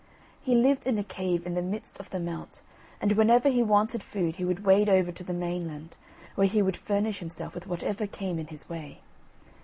He lived in a cave in the midst of the Mount, and whenever he wanted food he would wade over to the main land, where he would furnish himself with whatever came in his way.